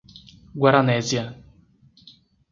Guaranésia